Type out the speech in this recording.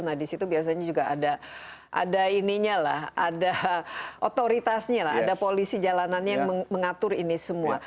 nah disitu biasanya juga ada otoritasnya ada polisi jalanannya yang mengatur ini semua